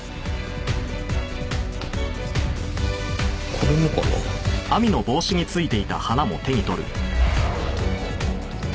これもかな？